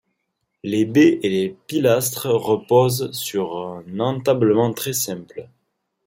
Les baies et les pilastres reposent sur un entablement très simple.